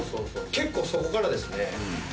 結構そこからですね。